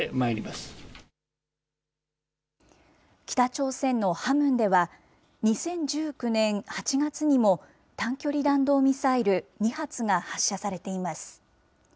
北朝鮮のハムンでは、２０１９年８月にも、短距離弾道ミサイル２発が発射されています。